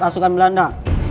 dan pasukan belanda